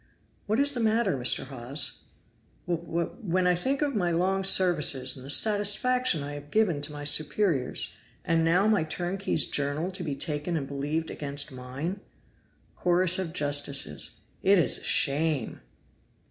"What is the matter, Mr. Hawes?" "W W When I think of my long services, and the satisfaction I have given to my superiors and now my turnkey's journal to be taken and believed against mine." (Chorus of Justices.) "It is a shame!"